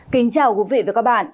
kính chào quý vị và các bạn